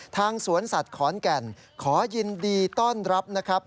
สวนสัตว์ขอนแก่นขอยินดีต้อนรับนะครับ